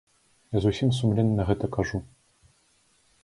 Я зусім сумленна гэта кажу.